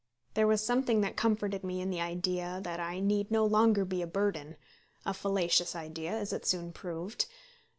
There was something that comforted me in the idea that I need no longer be a burden, a fallacious idea, as it soon proved.